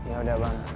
ya udah bang